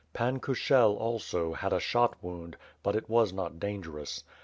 Pan Kushel, also, had a shot wound, but it was not dangerous.